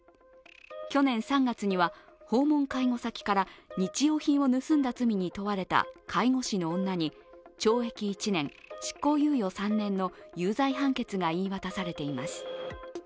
去年３月には、訪問介護先から日用品を盗んだ罪に問われた介護士の女に懲役１年執行猶予３年の有罪判決が言い渡されています。